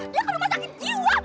dia ke rumah sakit jiwa